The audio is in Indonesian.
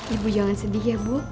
ibu jangan sedih ya bu